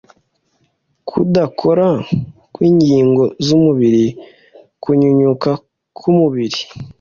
kudakora kwingingo zumubiri kunyunyuka kumubiri